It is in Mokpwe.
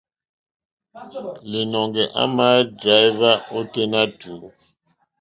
Līnɔ̄ŋgɛ̄ à mà dráíhwá ôténá tùú.